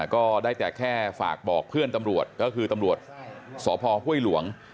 ก็ได้แต่แค่ฝากบอกเพื่อนตำรวจก็คือตำรวจสพห้วยหลวง